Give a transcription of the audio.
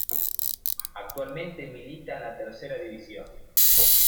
Actualmente milita en la Tercera División.